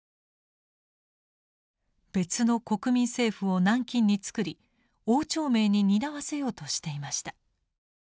別の国民政府を南京に作り汪兆銘に担わせようとしていました。